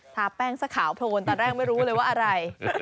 แป้งซะขาวโพลนตอนแรกไม่รู้เลยว่าอะไร